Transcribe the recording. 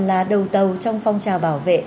là đầu tàu trong phong trào bảo vệ